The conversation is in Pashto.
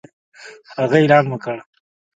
هغه اعلان وکړ